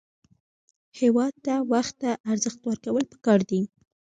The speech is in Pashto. هېواد ته وخت ته ارزښت ورکول پکار دي